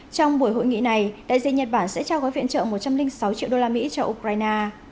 trong buổi hội nghị này đại diện nhật bản sẽ trao gói viện trợ một trăm linh sáu triệu đô la mỹ cho ukraine